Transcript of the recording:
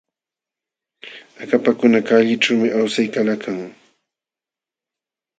Akapakuna kallićhuumi awsaykalakan.